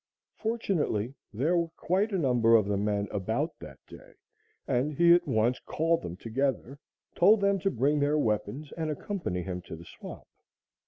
Fortunately, there were quite a number of the men about that day, and he at once called them together, told them to bring their weapons and accompany him to the swamp.